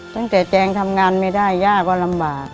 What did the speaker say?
แจงทำงานไม่ได้ย่าก็ลำบาก